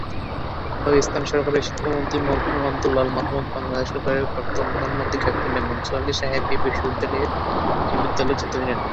তদানীন্তন পাকিস্তান সরকারের শিল্পমন্ত্রী মরহুম আব্দুল্লাহ আল মাহমুদ, বাংলাদেশ সরকারের প্রাক্তন প্রধানমন্ত্রী ক্যাপ্টেন এম, মনসুর আলী সাহেব এই বিদ্যালয়ের ছাত্র ছিলেন।